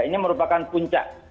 ini merupakan puncak